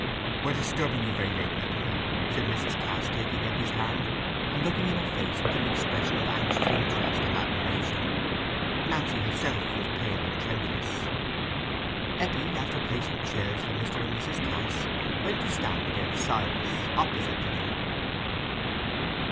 "We're disturbing you very late, my dear," said Mrs. Cass, taking Eppie's hand, and looking in her face with an expression of anxious interest and admiration. Nancy herself was pale and tremulous. Eppie, after placing chairs for Mr. and Mrs. Cass, went to stand against Silas, opposite to them.